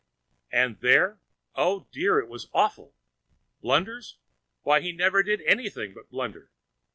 And there—oh dear, it was awful. Blunders? why, he never did anything but blunder.